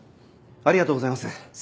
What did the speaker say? ありがとうございます。